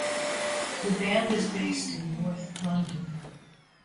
The band is based in North London.